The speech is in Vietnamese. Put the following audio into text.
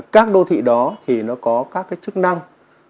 các đô thị đó thì nó có các cái chức năng